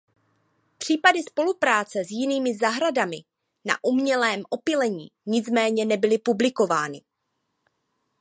Případy spolupráce s jinými zahradami na umělém opylení nicméně nebyly publikovány.